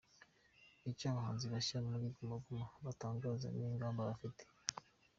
Icyo abahanzi bashya muri Guma Guma batangaza n’ingamba bafite :.